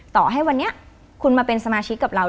ต่อให้วันนี้คุณมาเป็นสมาชิกกับเรา